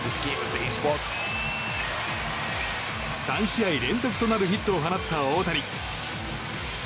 ３試合連続となるヒットを放った大谷。